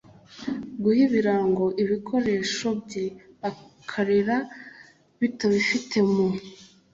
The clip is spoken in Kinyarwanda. guha ibirango ibikoresho by akarere bitabifite mu